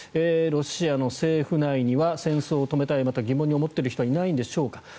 ロシアの政府内には戦争を止めたいまた、疑問に思っている人はいないのでしょうか。